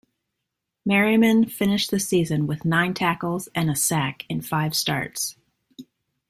Merriman finished the season with nine tackles and a sack in five starts.